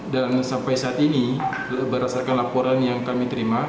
dan sampai saat ini berdasarkan laporan yang kami terima